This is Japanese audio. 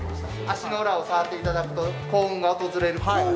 足の裏を触っていただくと幸運が訪れるという。